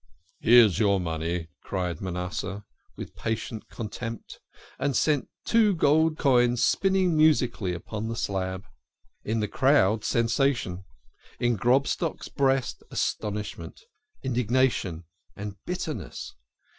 "Here's your money," cried Manasseh with passionate contempt, and sent two golden coins spinning musically upon the slab. In the crowd sensation, in Grobstock's breast astonish ment, indignation, and bitterness.